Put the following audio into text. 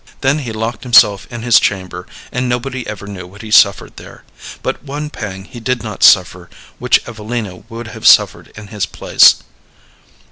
Then he locked himself in his chamber, and nobody ever knew what he suffered there. But one pang he did not suffer which Evelina would have suffered in his place.